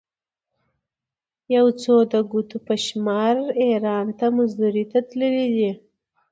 یو څو د ګوتو په شمېر ایران ته مزدورۍ ته تللي دي.